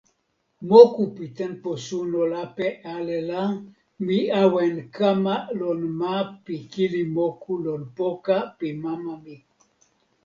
moku pi tenpo suno lape ale la, mi awen kama lon ma pi kili moku lon poka pi mama mi.